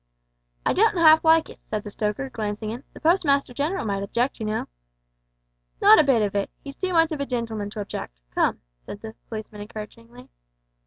"I don't half like it," said the stoker, glancing in; "the Postmaster General might object, you know." "Not a bit of it, he's too much of a gentleman to object come," said the policeman encouragingly.